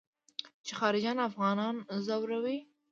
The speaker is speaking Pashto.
چې خارجيان افغانان ځوروي.